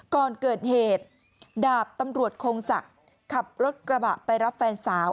ก่อนเกิดเหตุดาบตำรวจคงศักดิ์ขับรถกระบะไปรับแฟนสาว